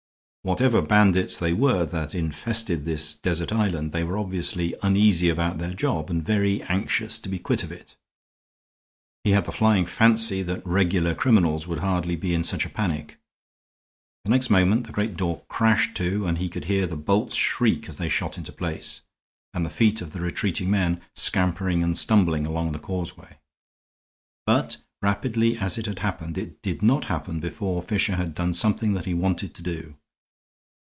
Whatever bandits they were that infested this desert island, they were obviously uneasy about their job and very anxious to be quit of it. He had the flying fancy that regular criminals would hardly be in such a panic. The next moment the great door crashed to and he could hear the bolts shriek as they shot into their place, and the feet of the retreating men scampering and stumbling along the causeway. But rapidly as it happened, it did not happen before Fisher had done something that he wanted to do.